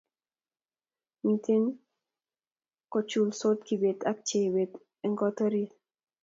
Miten kochulsot Kibet ago Chebet eng koot orit